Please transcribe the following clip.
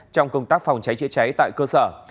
trong công tác phòng cháy chữa cháy tại cơ sở